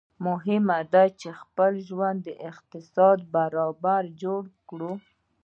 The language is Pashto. مهمه داده چي خپل ژوند د اقتصاد برابر جوړ کړو